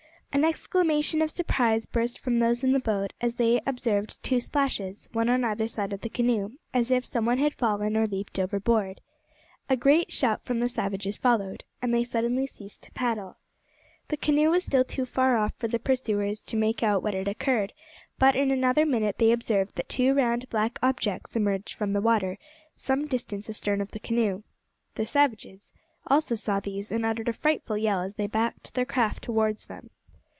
An exclamation of surprise burst from those in the boat as they observed two splashes, one on either side of the canoe, as if some one had fallen or leaped overboard. A great shout from the savages followed, and they suddenly ceased to paddle. The canoe was still too far off for the pursuers to make out what had occurred; but in another minute they observed that two round black objects emerged from the water some distance astern of the canoe. The savages also saw these, and uttered a frightful yell as they backed their craft towards them.